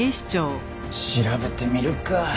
調べてみるか。